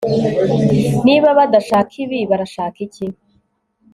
Niba badashaka ibi barashaka iki